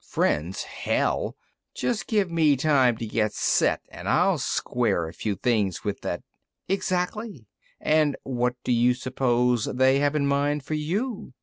"Friends, hell! Just give me time to get set, and I'll square a few things with that " "Exactly. And what do you suppose they have in mind for you?"